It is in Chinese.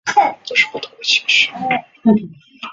李从庆长大后过继给楚定王李景迁。